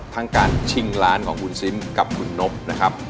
ทั้งการชิงล้านของคุณซิมกับคุณนบนะครับ